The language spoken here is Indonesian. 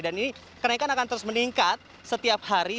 dan ini kenaikan akan terus meningkat setiap hari